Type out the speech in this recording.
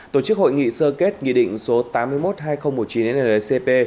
tổ chức hội nghị sơ kết nghị định số tám mươi một hai nghìn một mươi chín ndcp